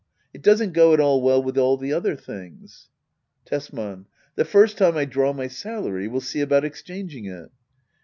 It doesn't go at all well with all the other things. Tesman. The first time I draw my salary^ we'll see about exchanging it.